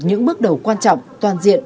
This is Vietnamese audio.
những bước đầu quan trọng toàn diện